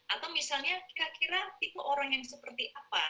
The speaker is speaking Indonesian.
atau misalnya kira kira tipe orang yang seperti apa